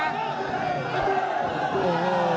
โอ้โห